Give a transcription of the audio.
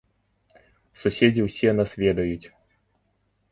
Суседзі ўсе нас ведаюць.